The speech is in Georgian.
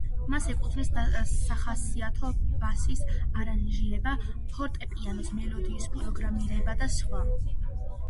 მას ეკუთვნის სახასიათო ბასის არანჟირება, ფორტეპიანოს მელოდიის პროგრამირება და სხვა.